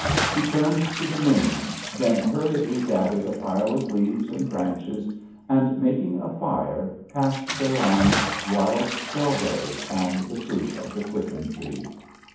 He turned to the moon, then hurriedly gathered a pile of leaves and branches, and making a fire cast thereon wild strawberries and the fruit of the quicken tree.